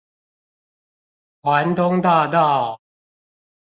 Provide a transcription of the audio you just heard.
環東大道